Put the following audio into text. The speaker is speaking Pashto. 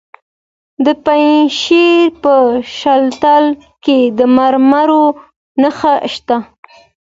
د پنجشیر په شتل کې د مرمرو نښې شته.